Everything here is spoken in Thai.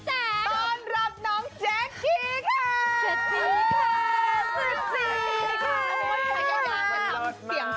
กับเพลงที่มีชื่อว่ากี่รอบก็ได้